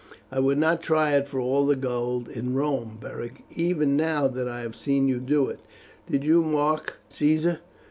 "I would not try it for all the gold in Rome, Beric, even now that I have seen you do it. Did you mark Caesar?